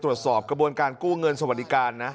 ตรวจสอบกระบวนการกู้เงินสวัสดิการนะ